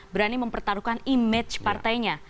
berani mempertaruhkan image partainya